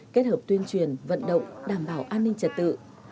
kết hợp tuyên truyền vận động đảm bảo an ninh trật tự